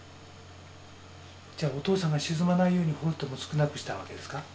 じゃあお父さんが沈まないようにフォルテも少なくしたわけですか？